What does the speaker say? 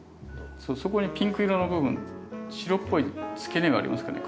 そこにピンク色の部分白っぽいつけ根がありますかね？